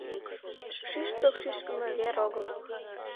Шӱшпык шӱшкымӧ вер огыл.